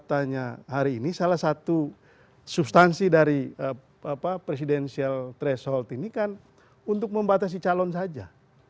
karena hari ini salah satu substansi dari presidensial threshold ini kan untuk membatasi calon saja